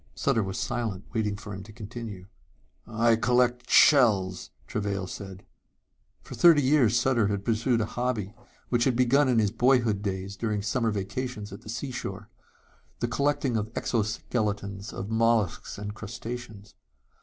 Sutter was silent, waiting for him to continue. "I collect shells," Travail said. For thirty years Sutter had pursued a hobby which had begun in his boyhood days during summer vacations at the seashore the collecting of exoskeletons of mollusks and crustaceans.